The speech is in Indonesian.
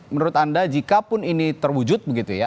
menurut anda jikapun ini terwujud begitu ya